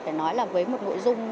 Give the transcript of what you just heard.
để nói là với một nội dung